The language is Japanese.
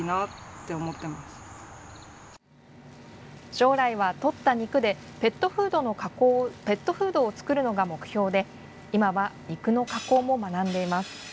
将来は、とった肉でペットフードを作るのが目標で今は肉の加工も学んでいます。